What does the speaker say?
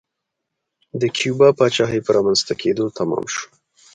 د کیوبا پاچاهۍ په رامنځته کېدو تمام شو.